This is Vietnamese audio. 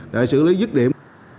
để xử lý dứt điểm